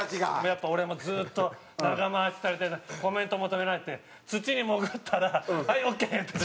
やっぱ俺もずっと長回しされてコメント求められて土に潜ったら「はいオッケー」って。